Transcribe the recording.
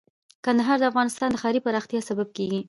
کندهار د افغانستان د ښاري پراختیا سبب کېږي.